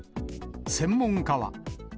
専門家は。